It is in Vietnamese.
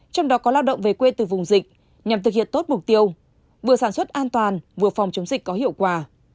trong đó có lao động về quê từ vùng dịch nhằm thực hiện tốt mục tiêu vừa sản xuất an toàn vừa phòng chống dịch có hiệu quả